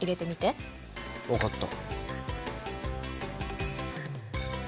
分かった。